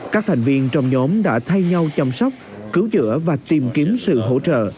các thành viên trong nhóm đã thay nhau chăm sóc cứu chữa và tìm kiếm sự hỗ trợ